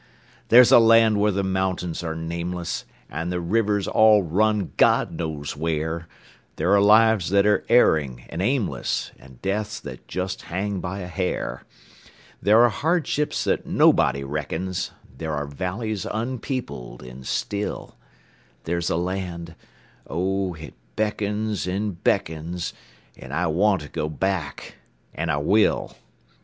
There's a land where the mountains are nameless, And the rivers all run God knows where; There are lives that are erring and aimless, And deaths that just hang by a hair; There are hardships that nobody reckons; There are valleys unpeopled and still; There's a land oh, it beckons and beckons, And I want to go back and I will.